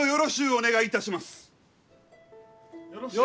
お願いいたします！